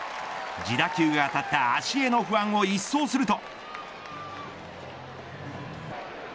自打球が当たった足への不安を一掃すると。